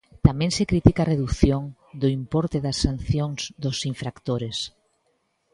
Tamén se critica a redución do importe da sancións dos infractores.